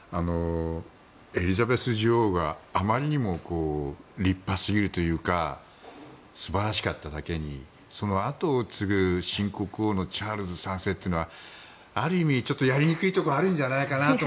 エリザベス女王があまりにも立派すぎるというか素晴らしかっただけにそのあとを継ぐ新国王のチャールズ３世というのはある意味、やりにくいところがあるんじゃないかなって。